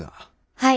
はい。